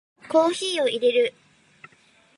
コーヒーを淹れる